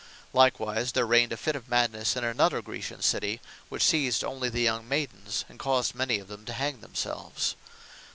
Likewise there raigned a fit of madnesse in another Graecian city, which seized onely the young Maidens; and caused many of them to hang themselves.